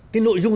cái nội dung